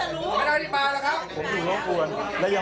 นี่ครับตัวแทนประชาชน